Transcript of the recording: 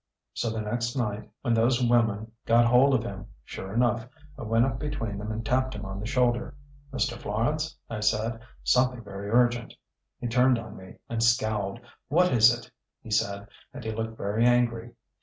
"So the next night when those women got hold of him, sure enough, I went up between them and tapped him on the shoulder. 'Mr. Florance,' I said, 'something very urgent.' He turned on me and scowled: 'What is it?' he said, and he looked very angry.